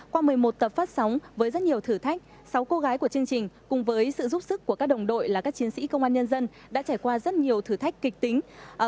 qua một mươi một tập phát sóng với rất nhiều thử thách sáu cô gái của chương trình cùng với sự giúp sức của các đồng đội là các chiến sĩ công an nhân dân đã trải qua rất nhiều thử thách kịch tính